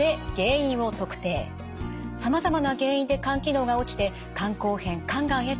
さまざまな原因で肝機能が落ちて肝硬変肝がんへと進行します。